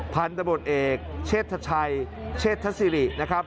พัฒนาบนอักชเชธชัยชเชธสิรินะครับ